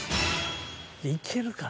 いけるかな？